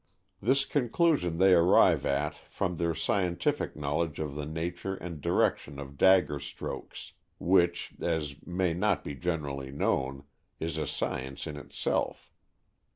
This conclusion they arrive at from their scientific knowledge of the nature and direction of dagger strokes, which, as may not be generally known, is a science in itself.